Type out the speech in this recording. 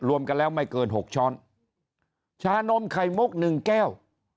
รวมกันแล้วไม่เกินหกช้อนชานมไข่มุกหนึ่งแก้ว